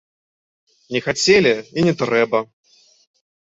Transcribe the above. Не хацелі, і не трэба!